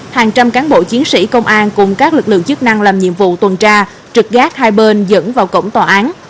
hàng trăm cán bộ chiến sĩ công an cùng các lực lượng chức năng làm nhiệm vụ tuần tra trực gác hai bên dẫn vào cổng tòa án